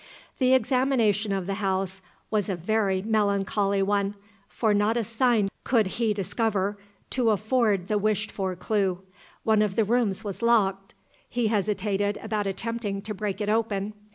The examination of the house was a very melancholy one, for not a sign could he discover to afford the wished for clue. One of the rooms was locked. He hesitated about attempting to break it open.